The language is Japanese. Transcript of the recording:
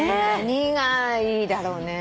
何がいいだろうね。